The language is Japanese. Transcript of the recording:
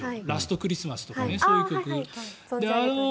「ラストクリスマス」とか。